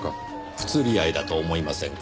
不釣り合いだと思いませんか？